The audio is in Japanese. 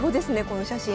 この写真。